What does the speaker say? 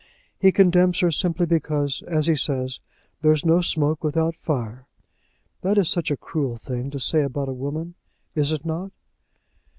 He condemns her simply because, as he says, there is no smoke without fire. That is such a cruel thing to say about a woman; is it not?"